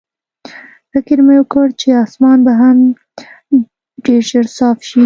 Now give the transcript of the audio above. فکر مې وکړ چې اسمان به هم ډېر ژر صاف شي.